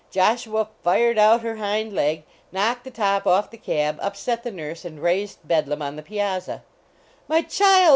Joshua fired out her hind leg, knocked the top off the cab, upset the nurse and raised Bedlam on the piazza. "My child!